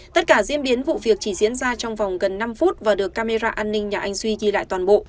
tất cả diễn biến vụ việc chỉ diễn ra trong vòng gần năm phút và được camera an ninh nhà anh duy ghi lại toàn bộ